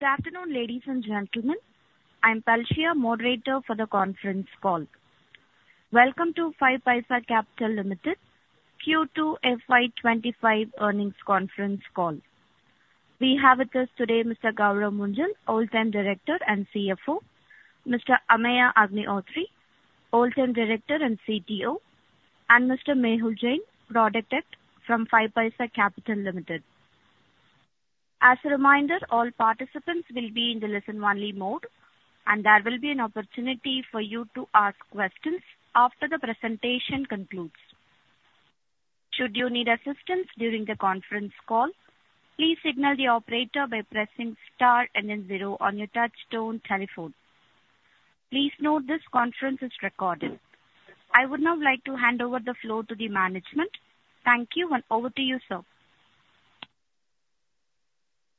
Good afternoon, ladies and gentlemen. I'm Palshia, moderator for the conference call. Welcome to 5paisa Capital Limited Q2 FY 2025 earnings conference call. We have with us today Mr. Gourav Munjal, Whole-time Director and CFO, Mr. Ameya Agnihotri, Whole-time Director and CTO, and Mr. Mehul Jain, product head from 5paisa Capital Limited. As a reminder, all participants will be in the listen-only mode, and there will be an opportunity for you to ask questions after the presentation concludes. Should you need assistance during the conference call, please signal the operator by pressing star and then zero on your touchtone telephone. Please note, this conference is recorded. I would now like to hand over the floor to the management. Thank you, and over to you, sir.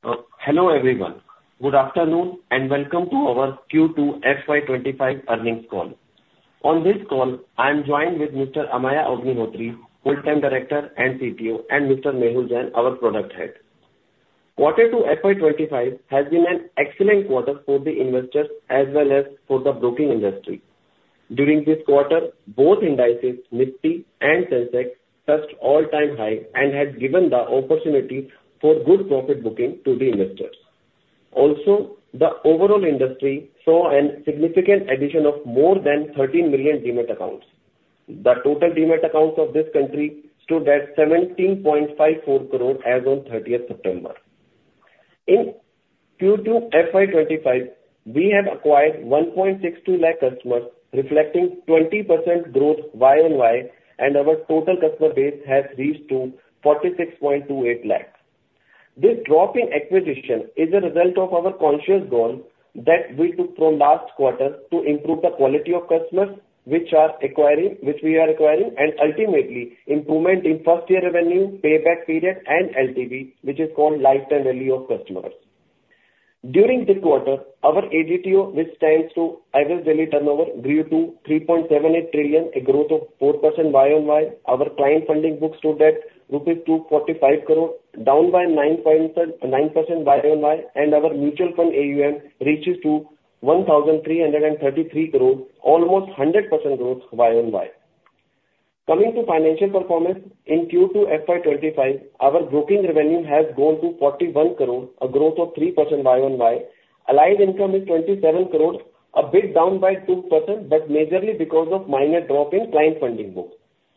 Hello, everyone. Good afternoon, and welcome to our Q2 FY 2025 earnings call. On this call, I'm joined with Mr. Ameya Agnihotri, whole time director and CTO, and Mr. Mehul Jain, our product head. Quarter two FY 2025 has been an excellent quarter for the investors as well as for the broking industry. During this quarter, both indices, Nifty and Sensex, touched all-time high and has given the opportunity for good profit booking to the investors. Also, the overall industry saw a significant addition of more than thirteen million Demat accounts. The total Demat accounts of this country stood at seventeen point five four crore as on thirtieth September. In Q2 FY 2025, we have acquired one point six two lakh customers, reflecting 20% growth Y on Y, and our total customer base has reached to forty-six point two eight lakhs. This drop in acquisition is a result of our conscious goal that we took from last quarter to improve the quality of customers, which are acquiring, which we are acquiring, and ultimately improvement in first year revenue, payback period, and LTV, which is called lifetime value of customers. During this quarter, our ADTO, which stands to average daily turnover, grew to 3.78 trillion, a growth of 4% Y on Y. Our client funding book stood at rupees 245 crore, down by nine point nine percent Y on Y, and our mutual fund AUM reaches to 1,333 crore, almost 100% growth Y on Y. Coming to financial performance, in Q2 FY 2025, our broking revenue has grown to 41 crore, a growth of 3% Y on Y. Other income is INR 27 crore, a bit down by 2%, but majorly because of minor drop in client funding book,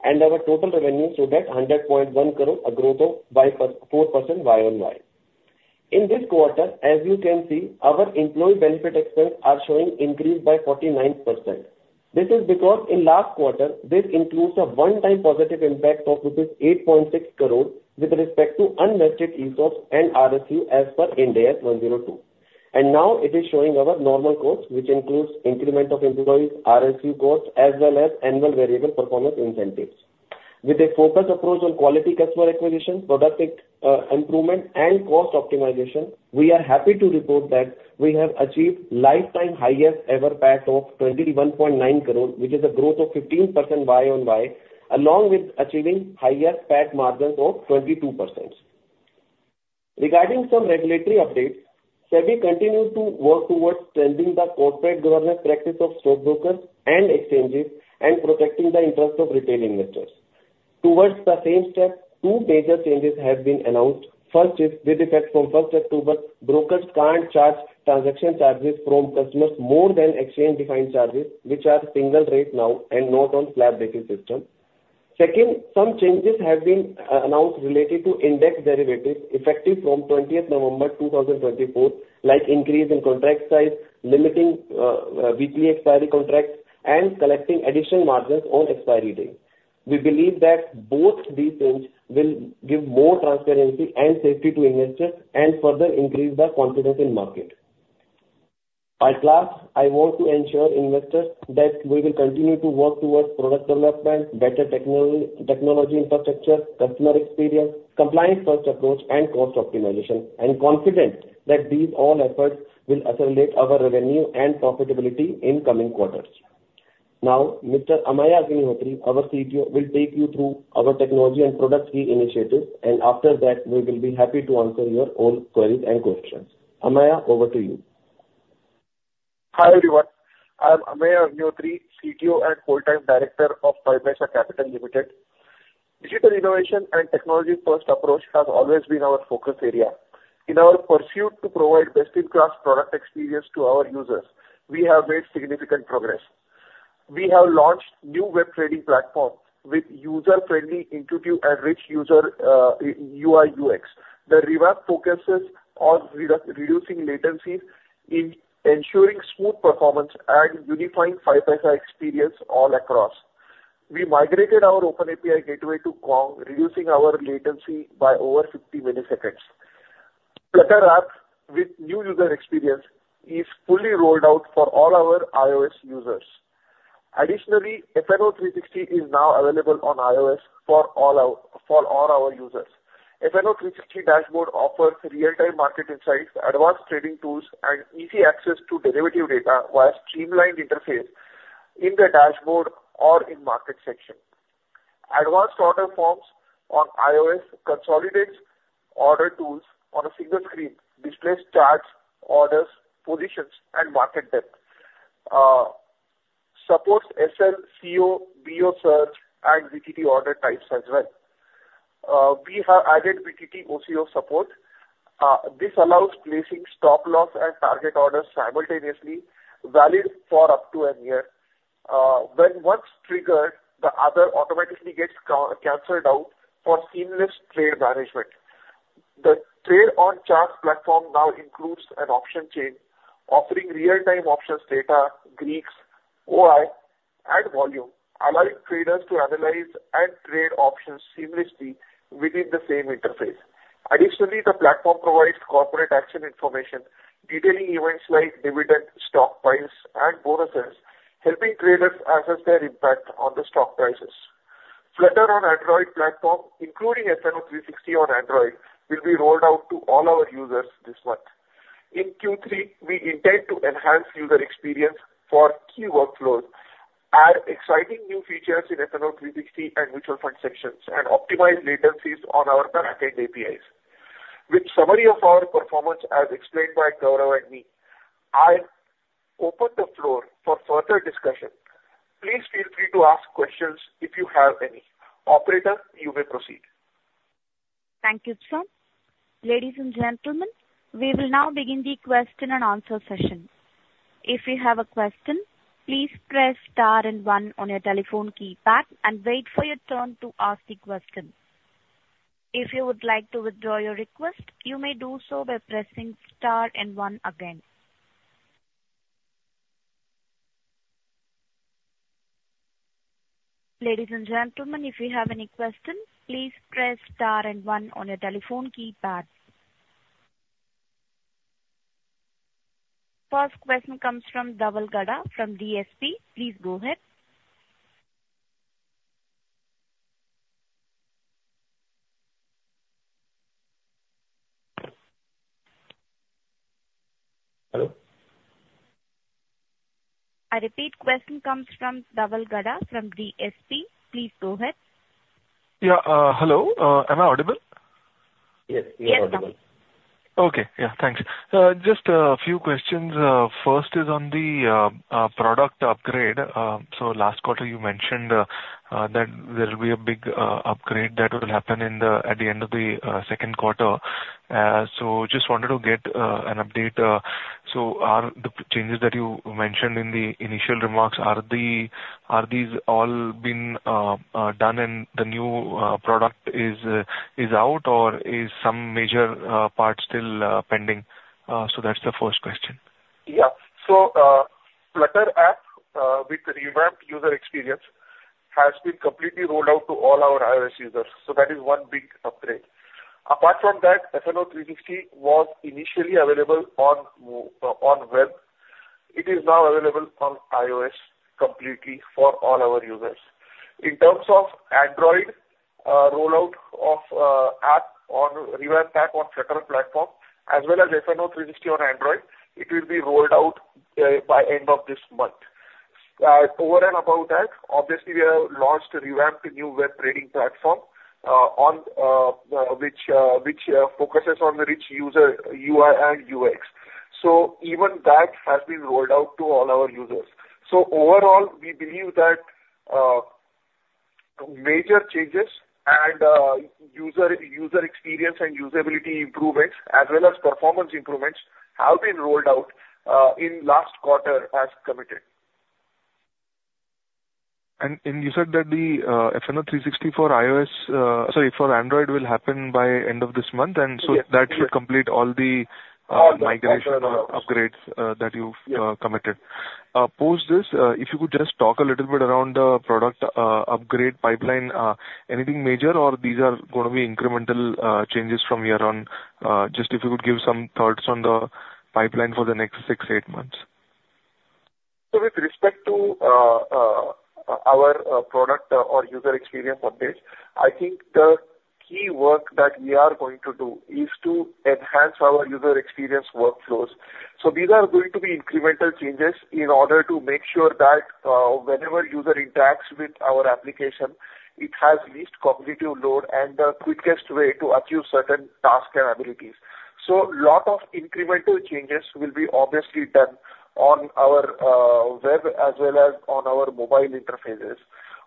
and our total revenue stood at 100.1 crore, a growth of 4% Y on Y. In this quarter, as you can see, our employee benefit expense are showing increase by 49%. This is because in last quarter, this includes a one-time positive impact of rupees 8.6 crore with respect to unvested ESOPs and RSU as per Ind AS 102, and now it is showing our normal costs, which includes increment of employees, RSU costs, as well as annual variable performance incentives. With a focused approach on quality customer acquisition, product improvement and cost optimization, we are happy to report that we have achieved lifetime highest ever PAT of 21.9 crore, which is a growth of 15% Y on Y, along with achieving higher PAT margins of 22%. Regarding some regulatory updates, SEBI continued to work towards strengthening the corporate governance practice of stockbrokers and exchanges and protecting the interest of retail investors. Towards the same step, two major changes have been announced. First is, with effect from first October, brokers can't charge transaction charges from customers more than exchange-defined charges, which are single rate now and not on slab-based system. Second, some changes have been announced related to index derivatives effective from twentieth November two thousand twenty-four, like increase in contract size, limiting weekly expiry contracts, and collecting additional margins on expiry date. We believe that both these changes will give more transparency and safety to investors and further increase the confidence in market. At last, I want to ensure investors that we will continue to work towards product development, better technology infrastructure, customer experience, compliance-first approach, and cost optimization. I am confident that these all efforts will accelerate our revenue and profitability in coming quarters. Now, Mr. Ameya Agnihotri, our CTO, will take you through our technology and product key initiatives, and after that, we will be happy to answer your own queries and questions. Ameya, over to you. Hi, everyone. I'm Ameya Agnihotri, CTO and whole-time director of 5paisa Capital Limited. Digital innovation and technology-first approach has always been our focus area. In our pursuit to provide best-in-class product experience to our users, we have made significant progress. We have launched new web trading platform with user-friendly, intuitive, and rich user UI/UX. The revamp focuses on reducing latencies in ensuring smooth performance and unifying 5paisa experience all across. We migrated our OpenAPI gateway to Kong, reducing our latency by over fifty milliseconds. Flutter app with new user experience is fully rolled out for all our iOS users. Additionally, FNO 360 is now available on iOS for all our users. FNO 360 dashboard offers real-time market insights, advanced trading tools, and easy access to derivative data via streamlined interface in the dashboard or in market section.... Advanced order forms on iOS consolidates order tools on a single screen, displays charts, orders, positions, and market depth. Supports SL, CO, BO search and VTT order types as well. We have added VTT OCO support. This allows placing stop loss and target orders simultaneously, valid for up to a year. When one is triggered, the other automatically gets canceled out for seamless trade management. The Trade on Charts platform now includes an option chain, offering real-time options data, Greeks, OI, and volume, allowing traders to analyze and trade options seamlessly within the same interface. Additionally, the platform provides corporate action information, detailing events like dividend, stock buys, and bonuses, helping traders assess their impact on the stock prices. Flutter on Android platform, including FNO 360 on Android, will be rolled out to all our users this month. In Q3, we intend to enhance user experience for key workflows, add exciting new features in FNO 360 and mutual fund sections, and optimize latencies on our backend APIs. With summary of our performance as explained by Gaurav and me, I open the floor for further discussion. Please feel free to ask questions if you have any. Operator, you may proceed. Thank you, sir. Ladies and gentlemen, we will now begin the question and answer session. If you have a question, please press star and one on your telephone keypad and wait for your turn to ask the question. If you would like to withdraw your request, you may do so by pressing star and one again. Ladies and gentlemen, if you have any questions, please press star and one on your telephone keypad. First question comes from Dhaval Gada from DSP. Please go ahead. Hello? I repeat. Question comes from Dhaval Gada from DSP. Please go ahead. Yeah, hello. Am I audible? Yes, you are audible. Yes, Daval. Okay. Yeah, thanks. Just a few questions. First is on the product upgrade. So last quarter you mentioned that there will be a big upgrade that will happen at the end of the second quarter. So just wanted to get an update. So are the changes that you mentioned in the initial remarks, are these all been done and the new product is out, or is some major part still pending? So that's the first question. Yeah. So, Flutter app with revamped user experience has been completely rolled out to all our iOS users. So that is one big upgrade. Apart from that, FNO 360 was initially available on web. It is now available on iOS completely for all our users. In terms of Android, rollout of revamped app on Flutter platform, as well as FNO 360 on Android, it will be rolled out by end of this month. Over and above that, obviously, we have launched a revamped new web trading platform which focuses on the rich user UI and UX. So even that has been rolled out to all our users. So overall, we believe that major changes and user experience and usability improvements as well as performance improvements have been rolled out in last quarter as committed. You said that the FNO 360 for iOS, sorry, for Android, will happen by end of this month- Yes. and so that will complete all the. All the... migration or upgrades, that you've committed. Yeah. Post this, if you could just talk a little bit around the product upgrade pipeline, anything major, or these are gonna be incremental changes from here on? Just if you could give some thoughts on the pipeline for the next 6-8 months. So with respect to our product or user experience updates, I think the key work that we are going to do is to enhance our user experience workflows. So these are going to be incremental changes in order to make sure that whenever user interacts with our application, it has least cognitive load and the quickest way to achieve certain tasks and abilities. So lot of incremental changes will be obviously done on our web as well as on our mobile interfaces.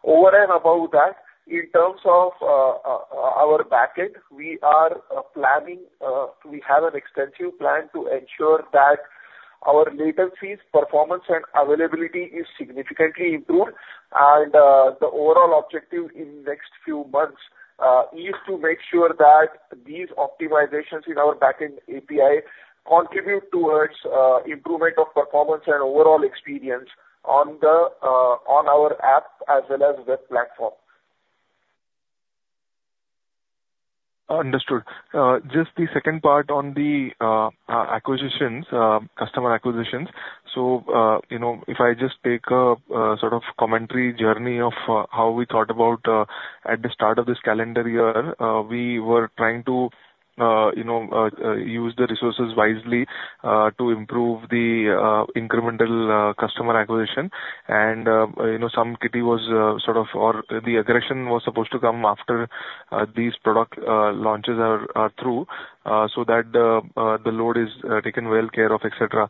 Over and above that, in terms of our backend, we are planning. We have an extensive plan to ensure that our latencies, performance, and availability is significantly improved. The overall objective in next few months is to make sure that these optimizations in our backend API contribute towards improvement of performance and overall experience on our app as well as web platform. ...Understood. Just the second part on the acquisitions, customer acquisitions. So, you know, if I just take a sort of commentary journey of how we thought about at the start of this calendar year, we were trying to you know use the resources wisely to improve the incremental customer acquisition. And, you know, some kitty was sort of, or the aggression was supposed to come after these product launches are through, so that the load is taken well care of et cetera.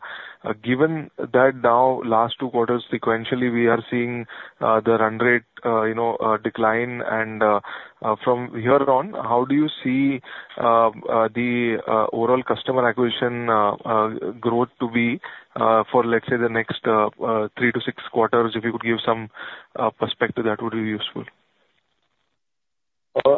Given that now last two quarters sequentially we are seeing the run rate, you know, decline and from here on, how do you see the overall customer acquisition growth to be for, let's say, the next three to six quarters? If you could give some perspective, that would be useful.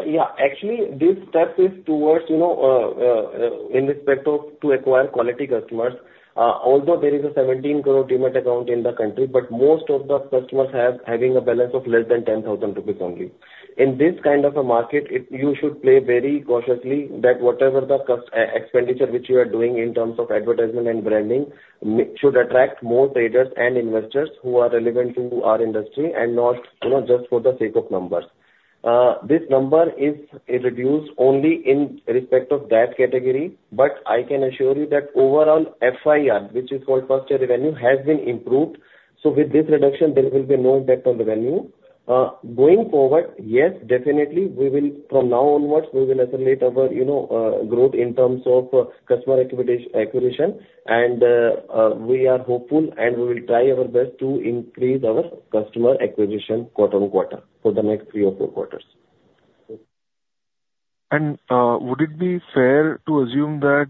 Yeah. Actually, this step is towards, you know, in respect of to acquire quality customers. Although there is a 17 crore Demat account in the country, but most of the customers have a balance of less than 10,000 rupees only. In this kind of a market, you should play very cautiously, that whatever the expenditure which you are doing in terms of advertisement and branding, should attract more traders and investors who are relevant to our industry and not, you know, just for the sake of numbers. This number is reduced only in respect of that category, but I can assure you that overall FIR, which is called first year revenue, has been improved. So with this reduction, there will be no impact on revenue. Going forward, yes, definitely we will from now onwards, we will accelerate our, you know, growth in terms of customer acquisition. We are hopeful and we will try our best to increase our customer acquisition quarter on quarter for the next three or four quarters. Would it be fair to assume that,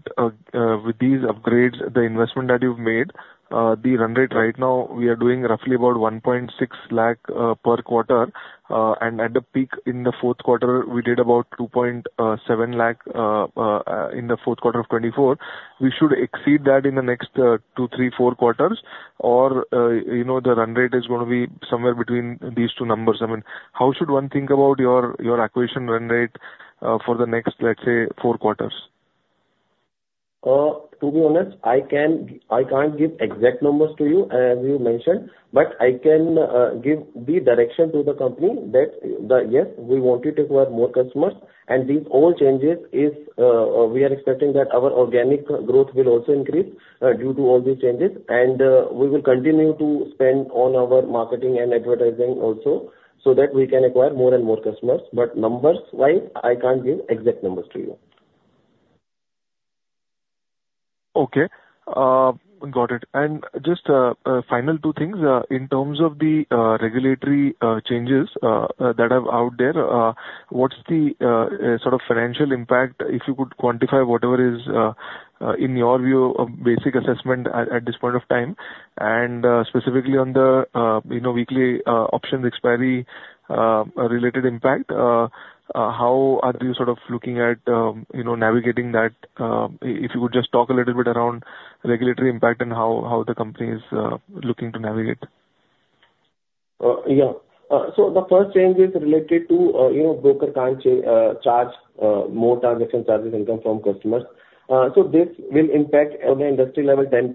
with these upgrades, the investment that you've made, the run rate right now, we are doing roughly about 1.6 lakh per quarter, and at the peak in the fourth quarter, we did about 2.7 lakh in the fourth quarter of 2024. We should exceed that in the next two, three, four quarters, or, you know, the run rate is gonna be somewhere between these two numbers? I mean, how should one think about your, your acquisition run rate for the next, let's say, four quarters? To be honest, I can't give exact numbers to you, as you mentioned, but I can give the direction to the company that yes, we want to acquire more customers, and these all changes is we are expecting that our organic growth will also increase due to all these changes. And we will continue to spend on our marketing and advertising also, so that we can acquire more and more customers. But numbers-wise, I can't give exact numbers to you. Okay. Got it. And just final two things. In terms of the regulatory changes that are out there, what's the sort of financial impact, if you could quantify whatever is in your view a basic assessment at this point of time? And specifically on the you know weekly options expiry related impact, how are you sort of looking at you know navigating that? If you could just talk a little bit around regulatory impact and how the company is looking to navigate. Yeah. So the first change is related to, you know, broker can't charge more transaction charges income from customers. So this will impact on the industry level, 10%.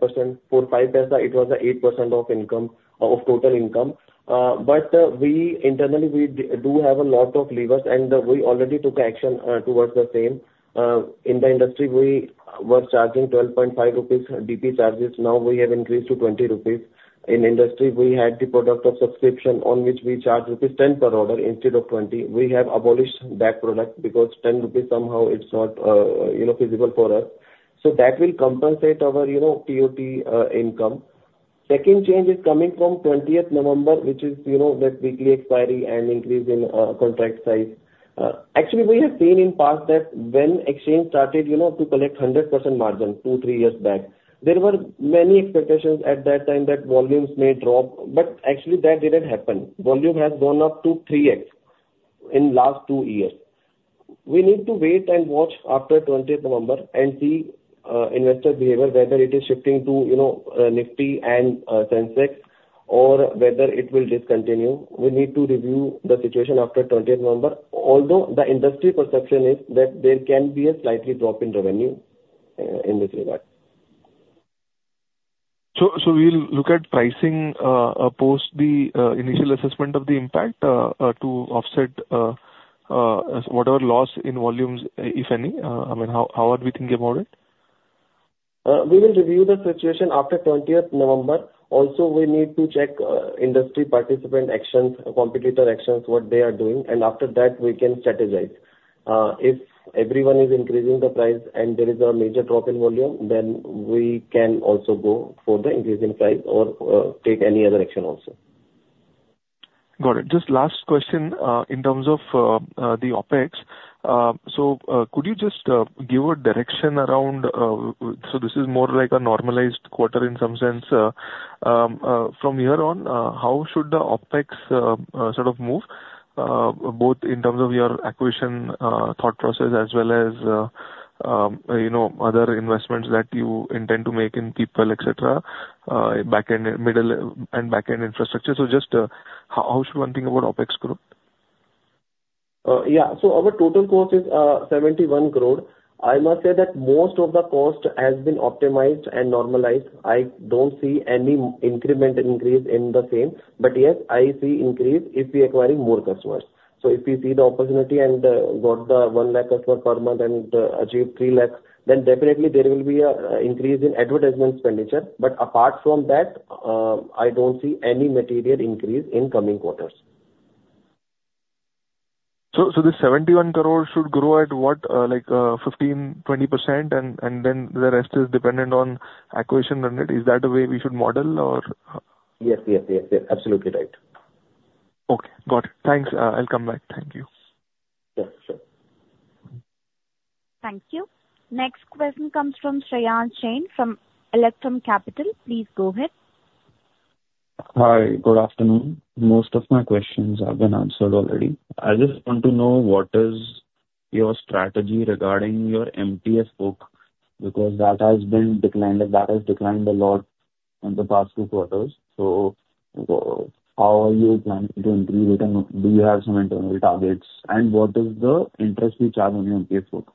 For 5paisa, it was 8% of income, of total income. But, we internally, we do have a lot of levers, and we already took action towards the same. In the industry, we were charging 12.5 rupees DP charges. Now we have increased to 20 rupees. In industry, we had the product of subscription on which we charge rupees 10 per order instead of 20. We have abolished that product because 10 rupees somehow it's not, you know, feasible for us. So that will compensate our, you know, TOT income. Second change is coming from twentieth November, which is, you know, that weekly expiry and increase in contract size. Actually, we have seen in past that when exchange started, you know, to collect 100% margin two, three years back, there were many expectations at that time that volumes may drop, but actually, that didn't happen. Volume has gone up to 3X in last two years. We need to wait and watch after twentieth November and see investor behavior, whether it is shifting to, you know, Nifty and Sensex, or whether it will discontinue. We need to review the situation after twentieth November, although the industry perception is that there can be a slightly drop in revenue in this regard. We'll look at pricing post the initial assessment of the impact to offset whatever loss in volumes, if any? I mean, how are we thinking about it? We will review the situation after twentieth November. Also, we need to check industry participant actions, competitor actions, what they are doing, and after that, we can strategize. If everyone is increasing the price and there is a major drop in volume, then we can also go for the increase in price or take any other action also. Got it. Just last question, in terms of the OpEx. So could you just give a direction around. So this is more like a normalized quarter in some sense. From here on, how should the OpEx sort of move, both in terms of your acquisition thought process, as well as you know, other investments that you intend to make in people, et cetera, back end, middle and back end infrastructure. So just how should one think about OpEx growth? Yeah, so our total cost is 71 crore. I must say that most of the cost has been optimized and normalized. I don't see any incremental increase in the same, but yes, I see increase if we acquiring more customers. So if we see the opportunity and got the 1 lakh customer per month and achieve 3 lakhs, then definitely there will be a increase in advertisement expenditure. But apart from that, I don't see any material increase in coming quarters. So, this 71 crore should grow at what? Like, 15-20%, and then the rest is dependent on acquisition run rate. Is that the way we should model or? Yes, yes, yes, yes. Absolutely right. Okay. Got it. Thanks. I'll come back. Thank you. Yeah, sure. Thank you. Next question comes from Shayan Jain from Electrum Capital. Please go ahead. Hi, good afternoon. Most of my questions have been answered already. I just want to know what is your strategy regarding your MTF book, because that has declined a lot in the past two quarters. So how are you planning to improve it? And do you have some internal targets? And what is the interest you charge on your MTF book?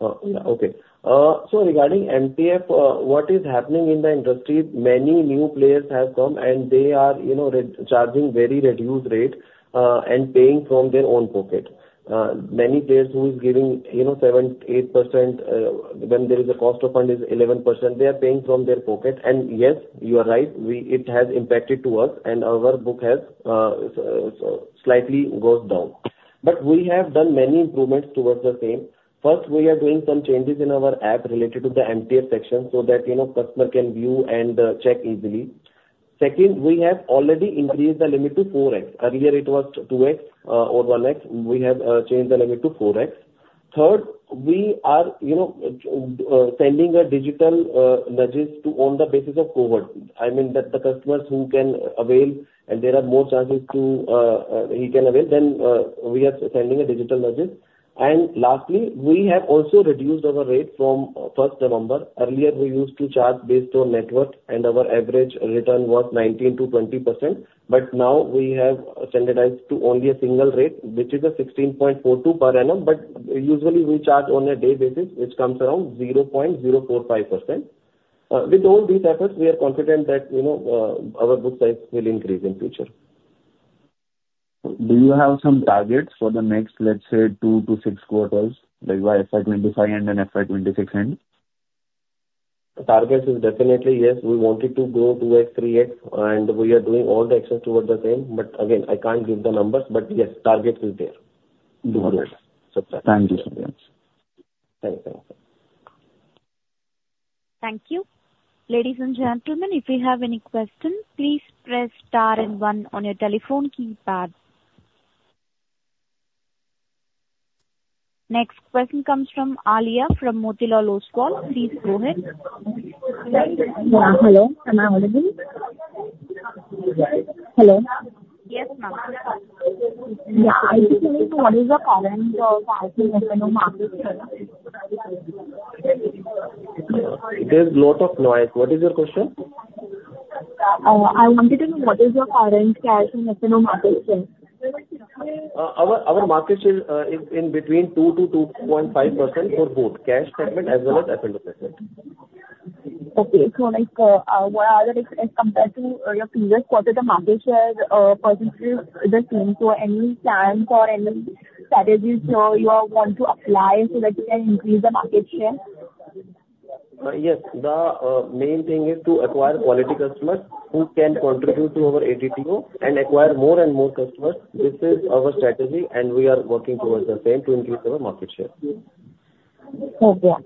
Yeah. Okay. So regarding MTF, what is happening in the industry, many new players have come, and they are, you know, re-charging very reduced rate, and paying from their own pocket. Many players who is giving, you know, 7-8%, when there is a cost of fund is 11%, they are paying from their pocket. And yes, you are right, we... It has impacted to us, and our book has slightly goes down. But we have done many improvements towards the same. First, we are doing some changes in our app related to the MTF section, so that, you know, customer can view and check easily. Second, we have already increased the limit to four X. Earlier it was two X, or one X. We have changed the limit to four X. Third, we are, you know, sending a digital message to on the basis of cohort. I mean, the customers who can avail and there are more charges to, he can avail, then we are sending a digital message. And lastly, we have also reduced our rate from first November. Earlier, we used to charge based on network, and our average return was 19%-20%. But now we have standardized to only a single rate, which is 16.42 per annum, but usually we charge on a day basis, which comes around 0.045%. With all these efforts, we are confident that, you know, our book size will increase in future. Do you have some targets for the next, let's say, two to six quarters, like by FY 2025 and then FY 2026 end? The target is definitely, yes. We wanted to go two X, three X, and we are doing all the actions toward the same, but again, I can't give the numbers. But yes, target is there. No worries. Thank you. Thank you so much. Thank you. Thank you. Ladies and gentlemen, if you have any questions, please press star and one on your telephone keypad. Next question comes from Alia, from Motilal Oswal. Please go ahead. Yeah, hello. Am I audible? Hello. Yes, ma'am. Yeah, I just want to know what is your current cash and market share? There's a lot of noise. What is your question? I wanted to know what is your current cash and market share? Our market share is in between 2%-2.5% for both cash segment as well as F&O segment. Okay. So like, as compared to your previous quarter, the market share percentages the same. So any plans or any strategies you are going to apply so that you can increase the market share? Yes. The main thing is to acquire quality customers who can contribute to our ADTO and acquire more and more customers. This is our strategy, and we are working towards the same to increase our market share. Okay.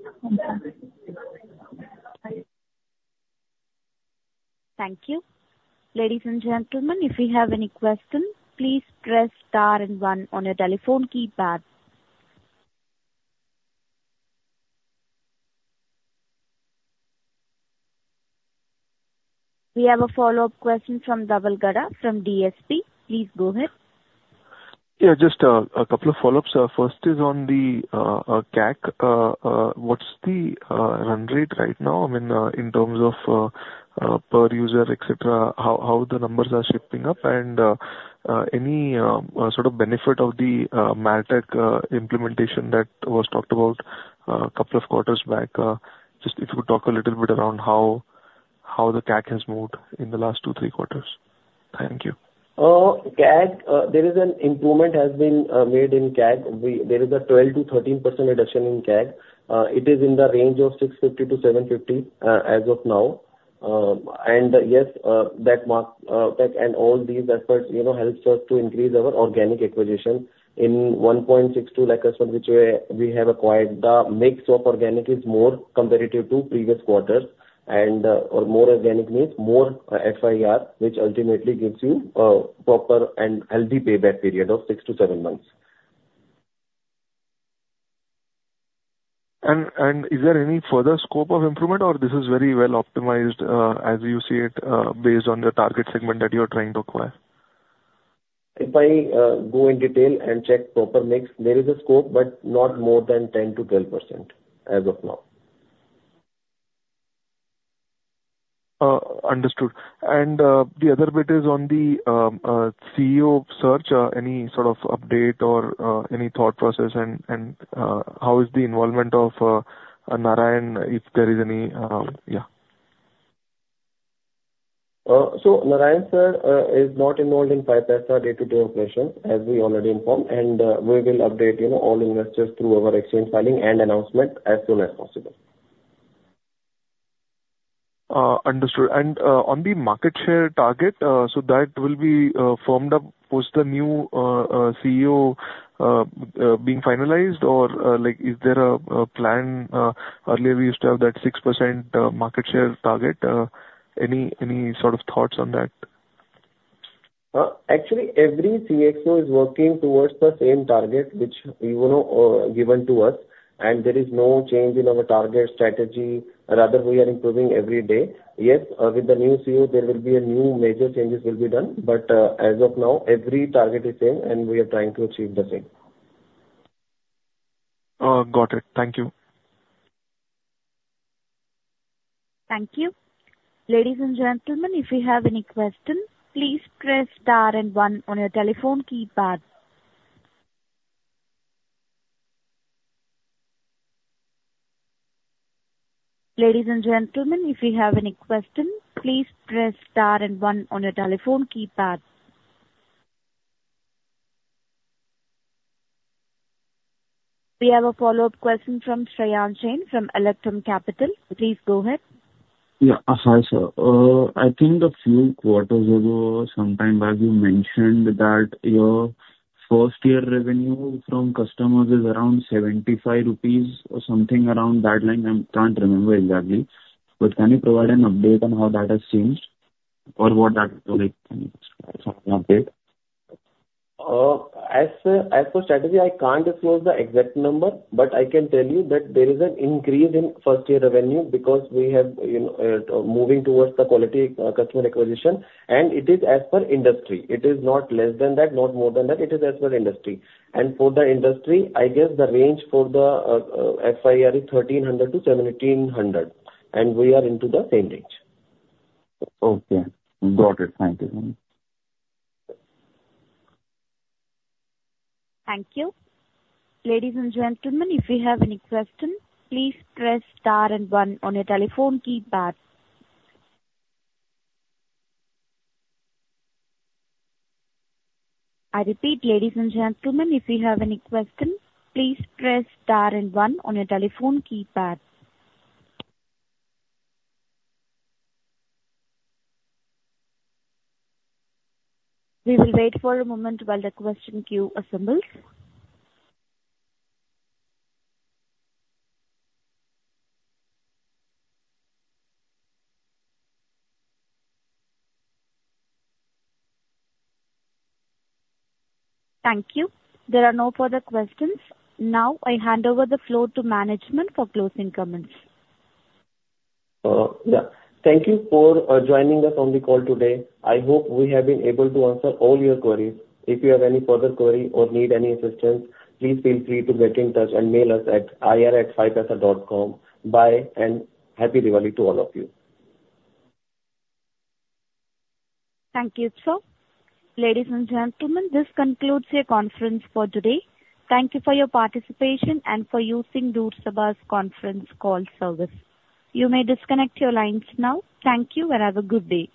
Thank you. Thank you. Ladies and gentlemen, if you have any questions, please press star and one on your telephone keypad. We have a follow-up question from Dhaval Gada from DSP. Please go ahead. Yeah, just a couple of follow-ups. First is on the CAC. What's the run rate right now? I mean, in terms of per user, et cetera, how the numbers are shaping up? And any sort of benefit of the MarTech implementation that was talked about a couple of quarters back. Just if you could talk a little bit around how the CAC has moved in the last two, three quarters. Thank you. Oh, CAC, there is an improvement has been made in CAC. There is a 12-13% reduction in CAC. It is in the range of 650-750, as of now. And yes, that MarTech and all these efforts, you know, helps us to increase our organic acquisition. In 1.62 lakh customers, which we have acquired, the mix of organic is more comparative to previous quarters, and or more organic means more FIR, which ultimately gives you proper and healthy payback period of 6-7 months. Is there any further scope of improvement, or this is very well optimized, as you see it, based on the target segment that you are trying to acquire?... If I go in detail and check proper mix, there is a scope, but not more than 10%-12% as of now. Understood. And the other bit is on the CEO search. Any sort of update or any thought process and how is the involvement of Narayan, if there is any? Yeah. Narayan sir is not involved in 5paisa day-to-day operation, as we already informed, and we will update, you know, all investors through our exchange filing and announcement as soon as possible. Understood. And on the market share target, so that will be formed up post the new CEO being finalized? Or like, is there a plan? Earlier we used to have that 6% market share target. Any sort of thoughts on that? Actually, every CXO is working towards the same target, which, you know, given to us, and there is no change in our target strategy. Rather, we are improving every day. Yes, with the new CEO, there will be a new major changes will be done, but, as of now, every target is same, and we are trying to achieve the same. Got it. Thank you. Thank you. Ladies and gentlemen, if you have any questions, please press star and one on your telephone keypad. We have a follow-up question from Shayan Jain from Electrum Capital. Please go ahead. Yeah, hi, sir. I think a few quarters ago, sometime back, you mentioned that your first year revenue from customers is around 75 rupees or something around that line. I can't remember exactly. But can you provide an update on how that has changed, or what that look like, some update? As for strategy, I can't disclose the exact number, but I can tell you that there is an increase in first year revenue, because we have, you know, moving towards the quality customer acquisition, and it is as per industry. It is not less than that, not more than that. It is as per industry. And for the industry, I guess the range for the FYIR is thirteen hundred to seventeen hundred, and we are into the same range. Okay, got it. Thank you. Thank you. Ladies and gentlemen, if you have any questions, please press star and one on your telephone keypad. I repeat, ladies and gentlemen, if you have any questions, please press star and one on your telephone keypad. We will wait for a moment while the question queue assembles. Thank you. There are no further questions. Now, I hand over the floor to management for closing comments. Yeah. Thank you for joining us on the call today. I hope we have been able to answer all your queries. If you have any further query or need any assistance, please feel free to get in touch and mail us at ir@5paisa.com. Bye, and Happy Diwali to all of you. Thank you, sir. Ladies and gentlemen, this concludes your conference for today. Thank you for your participation and for using DoorSabha's Conference Call Service. You may disconnect your lines now. Thank you, and have a good day.